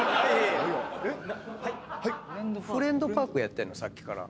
『フレンドパーク』やったよねさっきから。